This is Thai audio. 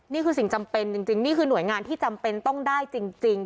นี่คือสิ่งจำเป็นจริงนี่คือหน่วยงานที่จำเป็นต้องได้จริง